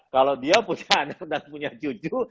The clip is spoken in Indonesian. kalau dia punya anak dan punya cucu